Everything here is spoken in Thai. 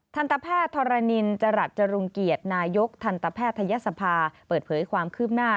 ทันตแพทย์ธรณินจรัสจรุงเกียรตินายกทันตแพทยศภาเปิดเผยความคืบหน้า